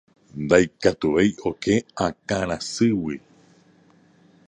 Ndaikatuvéi oke akãrasýgui.